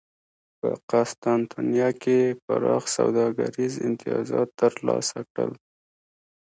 په قسطنطنیه کې یې پراخ سوداګریز امتیازات ترلاسه کړل